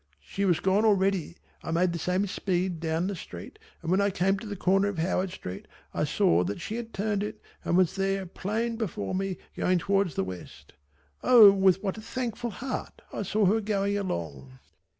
She was gone already. I made the same speed down the street and when I came to the corner of Howard Street I saw that she had turned it and was there plain before me going towards the west. O with what a thankful heart I saw her going along!